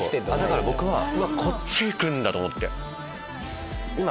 だから僕はこっちいくんだ！と思って。